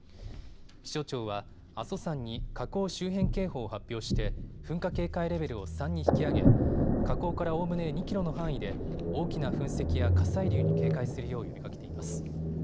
気象庁は阿蘇山に火口周辺警報を発表して噴火警戒レベルを３に引き上げ火口からおおむね２キロの範囲で大きな噴石や火砕流に警戒するよう呼びかけています。